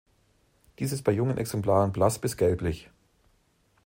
Diese ist bei jungen Exemplaren blass bis gelblich.